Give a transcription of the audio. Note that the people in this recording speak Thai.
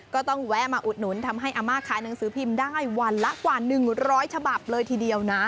แวะมาอุดหนุนทำให้อาม่าขายหนังสือพิมพ์ได้วันละกว่า๑๐๐ฉบับเลยทีเดียวนะ